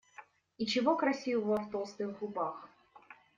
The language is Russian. И чего красивого в толстых губах?